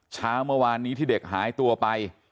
เช้าเมื่อวานนี้ที่เด็กหายตัวไป